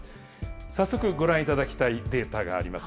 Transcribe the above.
早速、ご覧いただきたいデータがあります。